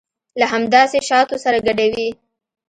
له همداسې شاتو سره ګډوي.